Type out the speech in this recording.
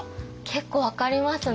結構分かりますね。